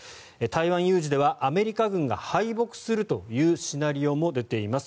台湾有事ではアメリカ軍が敗北するというシナリオも出ています。